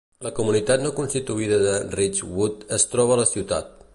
La comunitat no constituïda de Richwood es troba a la ciutat.